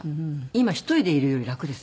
今１人でいるより楽です。